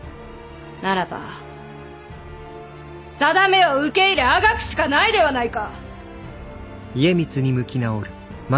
ならばさだめを受け入れあがくしかないではないか。